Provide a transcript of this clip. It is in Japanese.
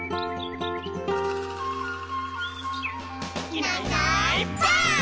「いないいないばあっ！」